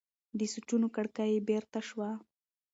د سوچونو کړکۍ یې بېرته شوه.